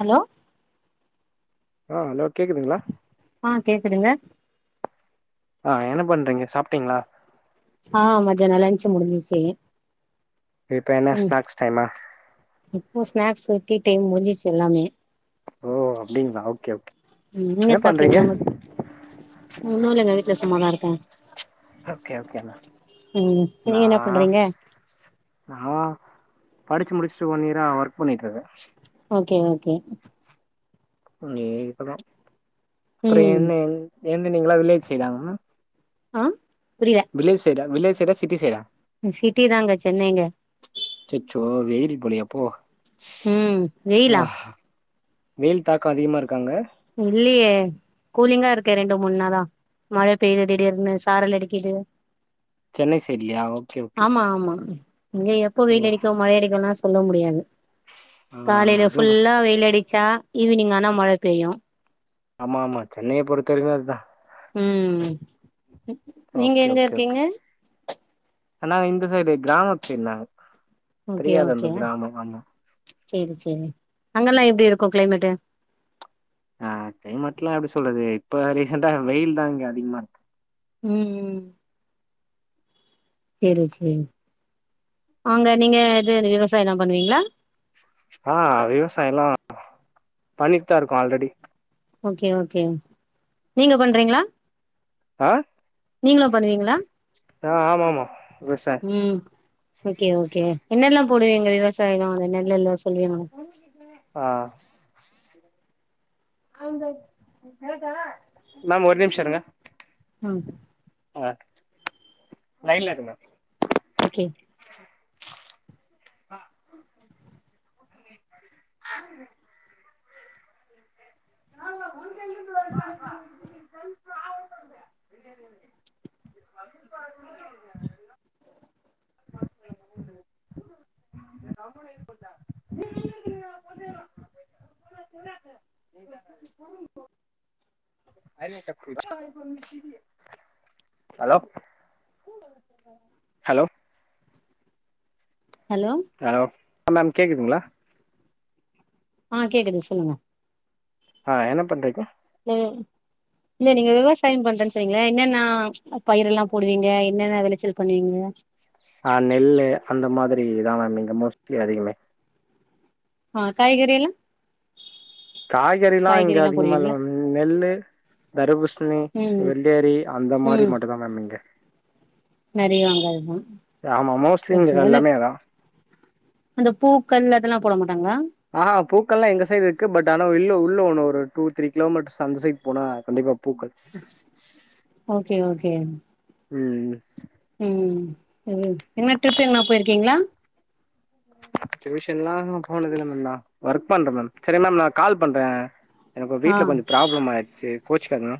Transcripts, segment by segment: Hello ஆ hello கேக்குதுங்களா ஆ கேக்குதுங்க ஆ என்ன பண்றிங்க சாப்டிங்களா ஆ மத்யான லன்ஞ்ச் முடிஞ்சிச்சி இப்ப என்ன உ ஸ்நாக்ஸ் டைமா இப்போ ஸ்நாக்ஸ் டீ டைம் முடிஞ்சிச்சு எல்லாமே ஓ அப்டிங்களா ஓகே ஓகே உ நீங்க என்ன பண்றீங்க சாப்டிங்ளா மத் ஒன்னுலங்க வீட்ல சும்மதா இருக்கே ஓகே ஓகே அண்ணா ம் நீங்க நா என்ன பண்றீங்க நா படிச்சி முடிஸ்ட்டு ஒன்னியரா ஒர்க் பண்ணிட்ருக்க ஓகே ஓகே நீ இப்பதா அப்ற ம் என்ன என் ஏந்து நீங்ளா வில்லேஜ் சைடா மேம் ஆ புரியில வில்லேஜ் சைடா வில்லேஜ் சைடா சிட்டி சைடா ம் சிட்டி தாங்க சென்னைங்க அச்சச்சோ வெயில் போலியே அப்போ ம் வெயிலா ஆ வெயில் தாக்கே அதிகமாருக்கா அங்க இல்லயே கூலிங்காருக்கே ரெண்டு மூண் நாளா மழ பெய்யுது திடீர்னு சாரல் அடிக்கிது சென்னை சைட்லயா ஓகே ஓகே ஆமா ஆமா இங்க எப்போ வெயில் ஓ அடிக்கு மழையடிக்குலா சொல்லவ் முடியாது ஆ காலைல அதுவு ஃபுல்லா வெயிலடிச்சா ஈவினிங் ஆனா மழ பெய்யு ஆமா ஆமா சென்னைய பொறுத்த வரைக்குமே அதா ம் நீங்க எங்க இருக்கிங்க எல்லா இந்த சைடு கிராமத் சைட் நாங்க ஓகே தெரியாது அந்த ஓகே கிராமம் ஆமா செரி செரி அங்கல்லா எப்டி இருக்கு. கிளைமேட்டு ஆ கிளைமேட்லா எப்டி சொல்றது இப்ப ரீசெண்டா வெயில் தா இங்க அதிகமா இருக் ம் சேரி சேரிங் அங்க நீங்க எது அது விவசாய தா பண்ணுவீங்ளா ஆ விவசாயலா பண்ணிட் தா இருக்கோ ஆல்ரெடி ஓகே ஓகே நீங்க பண்றீங்ளா ஆ நீங்களா பண்ணுவீங்ளா ஆ ஆமா ஆமா விவசாய ம் ஓகே ஓகே என்னெல்லா போடுவீங்க விவசாயலா அந்த நெல்லெல்ல சொல்வீங்ளா ஆ மேம் ஒரு நிம்ஷ இருங்க ம் ஆ நைன் லேக்கு மேம் ஓகே [unintelligible] ஆ [unintelligible] [unintelligible] Awan [unintelligible] hello hello hello hello அ மேம் கேக்குதுங்ளா ஆ கேக்குது சொல்லுங்க ஆ என்ன பண்றீங்க லோ இல்ல நீங்க விவசாய பண்றன் சொன்னிங்களே என்னென்னா பயிரல்லா போடுவீங்க என்னென்ன வெளச்சல் பண்ணுவீங்க ஆ நெல்லு அந்த மாதிரி இதான மேம் நீங்க மோஸ்ட்லி அதிகமே ஆ காய்கறியலா காய்கறில்லா இங்க அதிகமா இல்ல மேம் நெல்லு தரபுஷ்ணி ம் வெள்ளயரி அந்த மாறி ம் மட்டு தா மேம் இங்க நெறைய வாங்கறதுதா ஆமா மோஸ்லிங்க் ஓகே அதா ஆனா எல்லாமே அதா அந்த பூக்கள் அதெல்லா போட மாட்டாங்ளா ஆ பூக்கல்லா எங்க சைட் இருக்கு பட் ஆனா இல்லோ உள்ளோ ஒண்ணு ஒரு டூ த்ரீ கிலோமீட்டர்ஸ் அந்த சைட் போனா கண்டிப்பா பூக்கள் ஓகே ஓகேன் உம் ம என்னா ட்ரிப் எங்கனா போயிர்க்கீங்களா டியூஷன் ல்லா ஹ போனதில்ல மென்டா வர்க் பண்ற மேம் சரியா மேம் நா கால் பண்றே எனக் ஒ வீட்ல ஆ கொஞ்சம் ப்ராப்ளம் ஆயிர்ச்சு கோச்சிகாதிங்க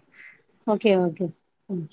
ஓகே ஓகே ம்